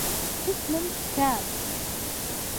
پشتمم شکاند.